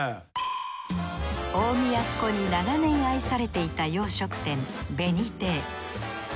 大宮っ子に長年愛されていた洋食店紅亭